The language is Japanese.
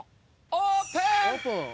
オープン。